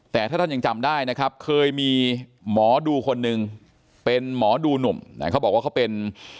แต่ถ้าท่านยังจำได้นะครับเคยมีหมอดูคนหนึ่งเป็นหมอดูหนุ่มนะเขาบอกว่าเขาเป็น